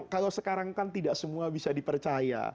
kalau sekarang kan tidak semua bisa dipercaya